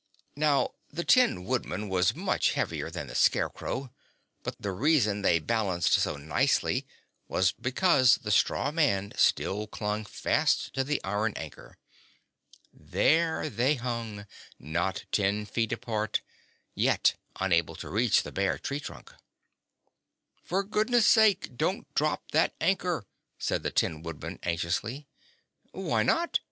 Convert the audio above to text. Now the Tin Woodman was much heavier than the Scarecrow, but the reason they balanced so nicely was because the straw man still clung fast to the iron anchor. There they hung, not ten feet apart, yet unable to reach the bare tree trunk. "For goodness sake don't drop that anchor," said the Tin Woodman anxiously. "Why not?"